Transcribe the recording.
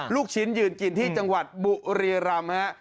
ลูกชิ้นยืนกินที่จังหวัดบุรียรำฮะ